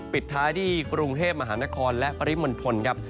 ปิดท้ายที่กรุงเทพมหานครและปริมณฑลครับ